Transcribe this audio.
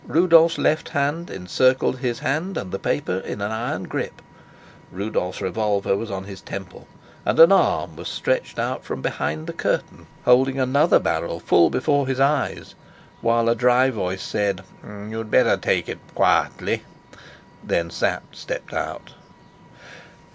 Rudolf's left hand encircled his hand and the paper in an iron grip; Rudolf's revolver was on his temple; and an arm was stretched out from behind the curtain, holding another barrel full before his eyes, while a dry voice said, "You'd best take it quietly." Then Sapt stepped out.